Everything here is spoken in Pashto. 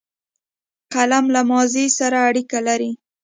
قلم له ماضي سره اړیکه لري